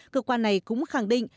cơ quan này cũng khẳng định